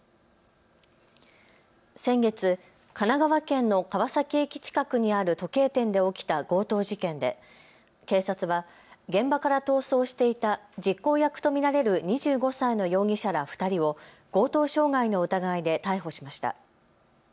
先月、神奈川県の川崎駅近くにある時計店で起きた強盗事件で警察は現場から逃走していた実行役と見られる２５歳の容疑者ら２人を強盗傷害の疑いで逮捕しました。